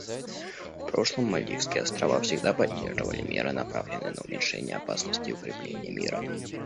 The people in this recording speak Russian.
В прошлом Мальдивские Острова всегда поддерживали меры, направленные на уменьшение опасности и укрепление мира.